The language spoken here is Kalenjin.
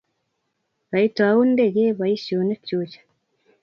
kaitou ndege boosionikchuch